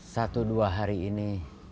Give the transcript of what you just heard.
satu dua hari ini